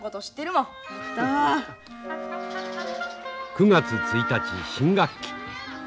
９月１日新学期。